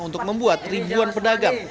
untuk membuat ribuan pedagang